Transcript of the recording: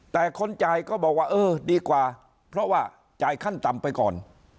แต่คนจ่ายก็บอกว่าเออดีกว่าเพราะว่าจ่ายขั้นต่ำไปก่อน